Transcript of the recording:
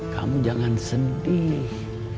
kamu jangan sedih